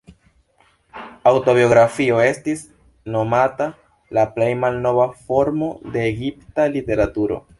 Aŭtobiografio estis nomata la plej malnova formo de egipta literaturo.